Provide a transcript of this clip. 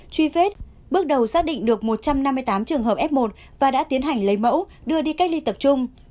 truy vết bước đầu xác định được một trăm năm mươi tám trường hợp f một và đã tiến hành lấy mẫu đưa đi cách ly tập trung